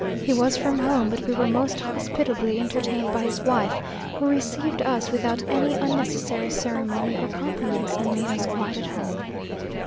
He was from home, but we were most hospitably entertained by his wife, who received us without any unnecessary ceremony or compliments, and made us quite at home.